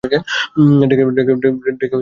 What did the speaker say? ডেকে কি নাম বলবো?